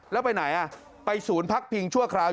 แล้วไปไหนไปศูนย์พักพิงชั่วคราว